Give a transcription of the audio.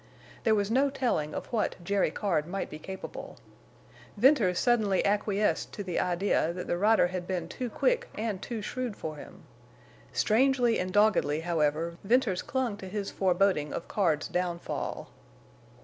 There was no telling of what Jerry Card might be capable. Venters sullenly acquiesced to the idea that the rider had been too quick and too shrewd for him. Strangely and doggedly, however, Venters clung to his foreboding of Card's downfall.